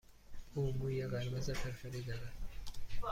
او موی قرمز فرفری دارد.